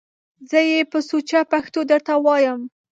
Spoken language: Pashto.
زه یې په سوچه پښتو درته وایم!